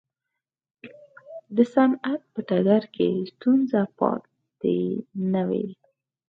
د صنعت په ډګر کې ستونزه پاتې نه وي.